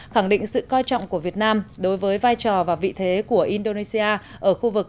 khẳng định sự coi trọng của việt nam đối với vai trò và vị thế của indonesia ở khu vực